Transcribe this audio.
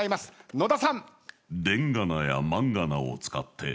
野田さん。